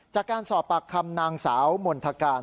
จากการสอบปากคำนางสาวมณฑการ